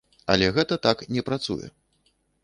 Але гэта так не працуе.